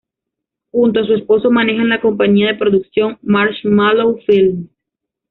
Junto a su esposo manejan la compañía de producción "Marshmallow Films".